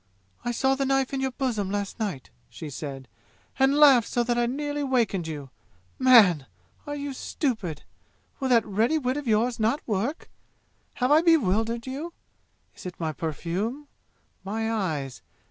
"I saw the knife in your bosom last night," she said, "and laughed so that I nearly wakened you. Man! Are you stupid? Will that ready wit of yours not work? Have I bewildered you? Is it my perfume? My eyes?